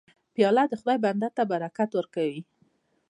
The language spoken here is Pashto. پیاله د خدای بنده ته برکت ورکوي.